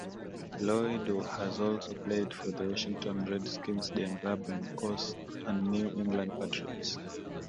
Lloyd has also played for the Washington Redskins, Denver Broncos, and New England Patriots.